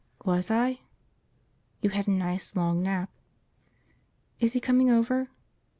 "Was I?" "You had a nice long nap." "Is he coming over?"